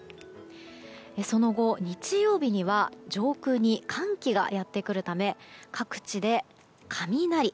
その後、日曜日には上空に寒気がやってくるため各地で雷。